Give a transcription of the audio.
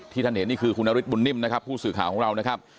ท่านเห็นนี่คือคุณนฤทธบุญนิ่มนะครับผู้สื่อข่าวของเรานะครับ